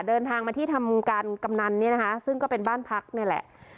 เดินทางมาที่ทำการกำนันเนี่ยนะคะซึ่งก็เป็นบ้านพักนี่แหละ